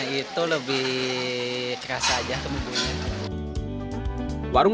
bedanya itu lebih keras aja kemudiannya